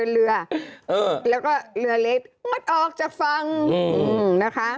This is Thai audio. แล้วก็เรือเล็กมัดออกจากฟังนะคะ